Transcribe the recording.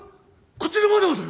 こっちの窓もだよ！